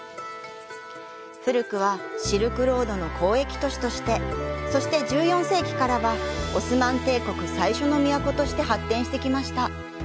古くはシルクロードの交易都市として、そして、１４世紀からはオスマン帝国最初の都として発展してきました。